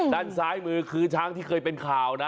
ด้านซ้ายมือคือช้างที่เคยเป็นข่าวนะ